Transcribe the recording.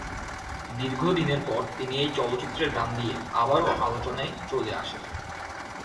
দীর্ঘদিনের পর তিনি এই চলচ্চিত্রের গান দিয়ে আবারও আলোচনায় চলে আসেন।